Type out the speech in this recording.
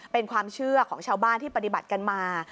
เป็นความเชื่อของชาวบ้านที่ปฏิบัติกันมา